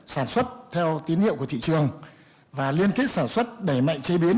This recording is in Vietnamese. sản xuất theo tín hiệu của thị trường và liên kết sản xuất đẩy mạnh chế biến